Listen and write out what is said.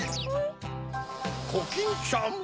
コキンちゃん？